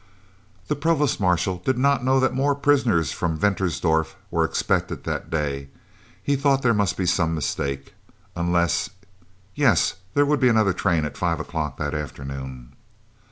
The Provost Marshal did not know that more prisoners from Ventersdorp were expected that day. He thought there must be some mistake unless yes, there would be another train at 5 o'clock that afternoon.